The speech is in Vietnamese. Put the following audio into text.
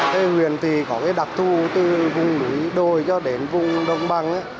cây huyền thì có đặc thu từ vùng núi đồi cho đến vùng đông băng